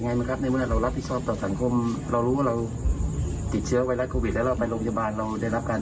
ยังไหล้ทราบปฏิเสธต่อทาง